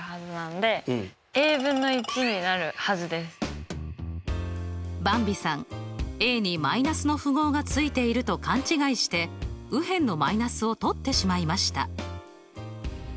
いやばんびさんに−の符号がついていると勘違いして右辺の−を取ってしまいました。